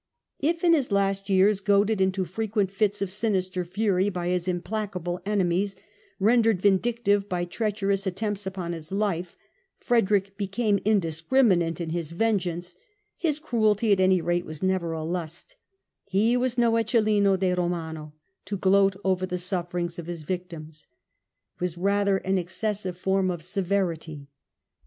If in his last years, goaded into frequent fits of sinister fury by his implacable enemies, rendered vindictive by treacherous attempts upon his life, Frederick became indiscriminate in his vengeance, his cruelty at any rate was never a lust : he was no Eccelin de Romano to gloat over the sufferings of his victims. It was rather an excessive form of severity.